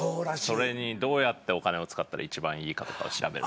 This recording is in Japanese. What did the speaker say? それにどうやってお金を使ったら一番いいかとかを調べる。